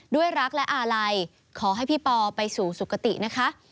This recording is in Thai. ด้วยรักและอาลัยขอให้พี่ปอไปสู่สุขตินะคะ